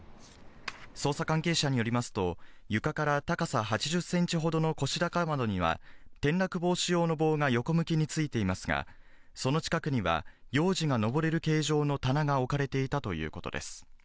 捜査関係者によりますと、床から高さ８０センチほどの腰高窓には、転落防止用の棒が横向きについていますが、その近くには幼児がのぼれる形状の棚が置かれていたということです。